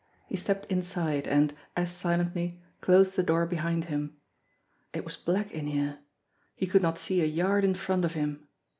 He stepped inside and, as silently, closed the door behind him. It was black in here. He could not see a yard in front of him.